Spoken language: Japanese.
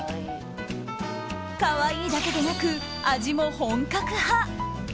可愛いだけでなく、味も本格派。